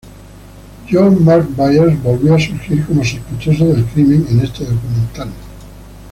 John Mark Byers volvió a surgir como sospechoso del crimen en este documental.